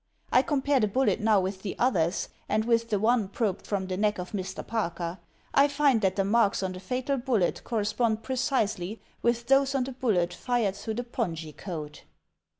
I compare the bullet now \fith the others and with the one probed from the neck of Mr. Parkter. I find that the marks on the fatal bullet correspond precisely with those on the bullet fired through the pongee coat."